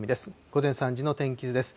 午前３時の天気図です。